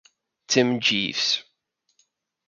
Tim Jeeves.